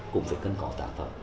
cũng phải cần có tạc phẩm